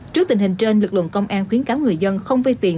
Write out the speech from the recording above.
trước tình hình trên lực lượng công an khuyến cáo người dân không vây tiền